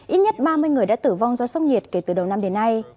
ít nhất ba mươi người đã tử vong do sốc nhiệt kể từ đầu năm đến nay